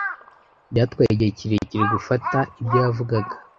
Byatwaye igihe kirekire gufata ibyo yavugaga.